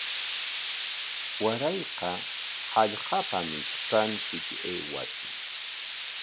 Warayqa hallqapam ishkanchik aywashun.